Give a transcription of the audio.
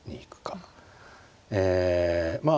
えまあ